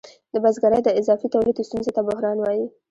د بزګرۍ د اضافي تولید ستونزې ته بحران وايي